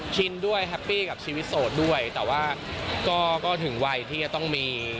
ชินด้วยแฮปปี้กับชีวิตโสดด้วยแต่ว่าก็ถึงวัยที่จะต้องมี